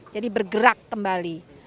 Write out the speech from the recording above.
jadi bergerak kembali